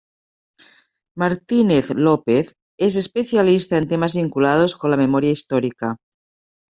Martínez López es especialista en temas vinculados con la Memoria Histórica.